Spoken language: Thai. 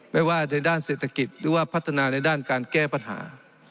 ไม่ว่าในด้านเศรษฐกิจหรือว่าพัฒนาในด้านการแก้ปัญหา